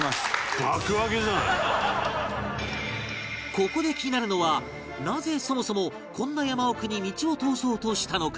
ここで気になるのはなぜそもそもこんな山奥に道を通そうとしたのか？